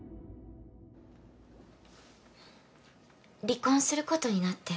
離婚することになって。